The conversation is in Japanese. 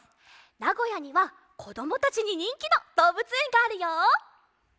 なごやにはこどもたちににんきのどうぶつえんがあるよ！